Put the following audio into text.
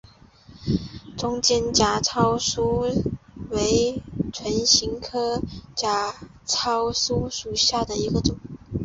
中间假糙苏为唇形科假糙苏属下的一个种。